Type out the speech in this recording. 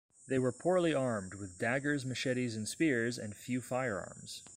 They were poorly armed, with daggers, machetes, and spears and few firearms.